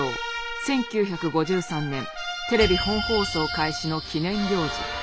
１９５３年テレビ本放送開始の記念行事。